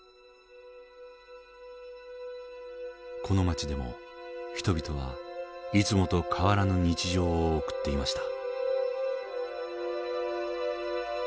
この街でも人々はいつもと変わらぬ日常を送っていました。